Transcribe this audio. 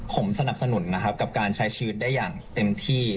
ผมสนับสนุนนะครับกับการใช้ชีวิตได้อย่างเต็มที่